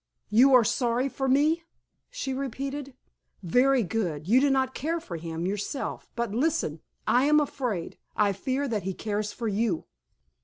"You are sorry for me," she repeated. "Very good, you do not care for him yourself. But listen! I am afraid, I fear that he cares for you."